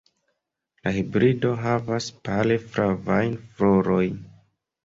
La hibrido havas pale flavajn florojn.